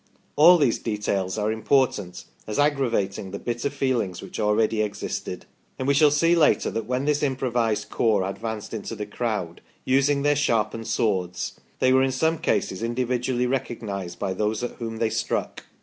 AUjhese details are important as aggravating the bitter jeelings which already existed, and we shall see later that when this improvised corps advanced into the crowd, using their sharpened swords, they were in some cases individually recognised by those at whom they struck.